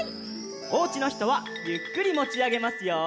おうちのひとはゆっくりもちあげますよ。